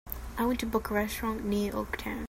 I want to book a restaurant near Oaktown.